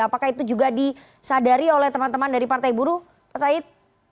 apakah itu juga disadari oleh teman teman dari partai buruh pak said